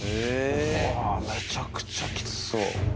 めちゃくちゃきつそう。